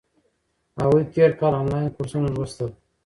هغوی تیر کال انلاین کورسونه لوستل.